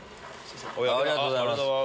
ありがとうございます。